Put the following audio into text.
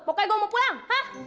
pokoknya gue mau pulang